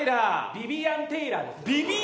ビビアン・テイラー！？